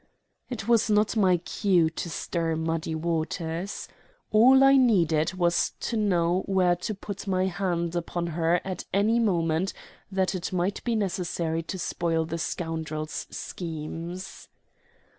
It was not my cue to stir muddy waters. All I needed was to know where to put my hand upon her at any moment that it might be necessary to spoil the scoundrel's schemes.